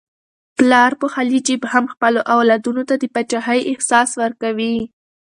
پلار په خالي جیب هم خپلو اولادونو ته د پاچاهۍ احساس ورکوي.